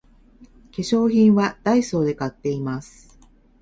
化粧品はダイソーで買っています